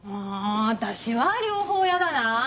私は両方嫌だな。